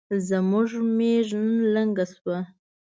زموږ ميږ نن لنګه شوه